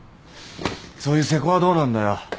そういう瀬古はどうなんだよ？